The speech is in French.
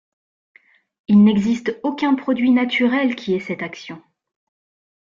Il n'existe aucun produit naturel qui ait cette action.